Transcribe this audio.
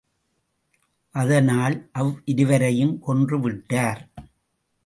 அதனால் அவ்விருவரையும் கொன்று விட்டார்.